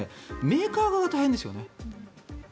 メーカー側が大変ですよね。